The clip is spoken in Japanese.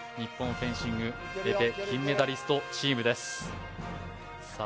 フェンシングエペ金メダリストチームですさあ